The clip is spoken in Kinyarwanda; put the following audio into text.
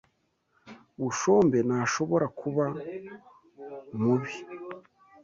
Bushombe ntashobora kuba mubi.